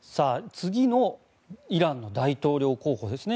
次のイランの大統領候補ですね。